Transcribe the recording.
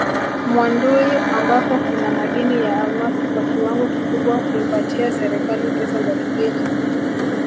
Mwadui ambako kuna madini ya almasi kwa kiwango kikubwa huipatia serikali pesa za kigeni